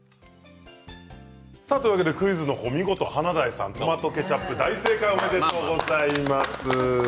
クイズ、お見事、華大さんトマトケチャップ大正解おめでとうございます。